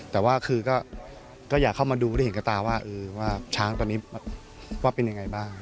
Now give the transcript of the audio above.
แต่ว่าคือก็อยากเข้ามาดูได้เห็นกับตาว่าช้างตอนนี้ว่าเป็นยังไงบ้าง